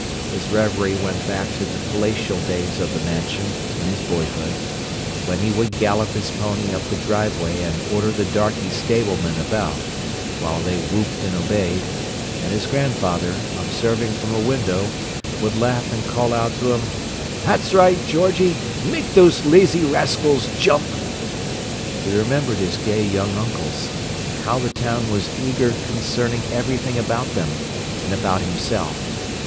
His reverie went back to the palatial days of the Mansion, in his boyhood, when he would gallop his pony up the driveway and order the darkey stable men about, while they whooped and obeyed, and his grandfather, observing from a window, would laugh and call out to him, "That's right, Georgie. Make those lazy rascals jump!" He remembered his gay young uncles, and how the town was eager concerning everything about them, and about himself.